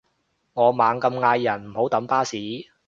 我猛咁嗌人唔好等巴士